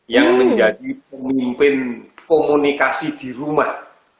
yang menjadi pemimpin komunikasi di rumah